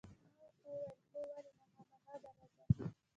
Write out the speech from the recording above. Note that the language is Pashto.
ما ورته وویل: هو، ولې نه، خامخا به راځم.